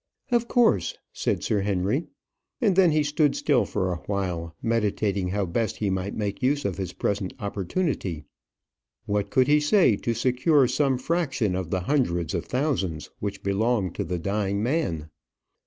"Of course," said Sir Henry. And then he stood still for a while, meditating how best he might make use of his present opportunity. What could he say to secure some fraction of the hundreds of thousands which belonged to the dying man?